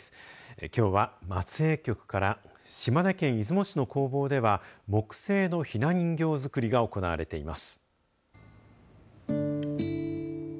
きょうは松江局から島根県出雲市の工房では木製のひな人形作りが行われています。